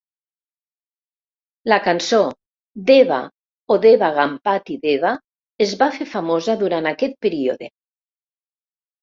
La cançó "Deva O Deva Ganpati Deva" es va fer famosa durant aquest període.